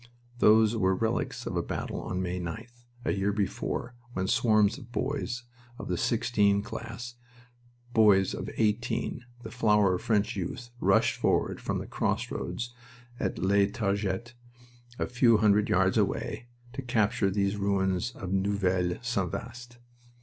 Those were relics of a battle on May 9th, a year before, when swarms of boys, of the '16 class, boys of eighteen, the flower of French youth, rushed forward from the crossroads at La Targette, a few hundred yards away, to capture these ruins of Neuville St. Vaast.